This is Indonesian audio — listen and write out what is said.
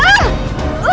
ini kelas tinggi tuhan